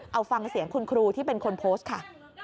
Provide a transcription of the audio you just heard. เอาฟังเสียงคุณครูที่เป็นคนโพสต์ค่ะ